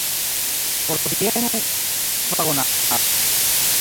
Por Vieno, ŝanĝu vagonaron!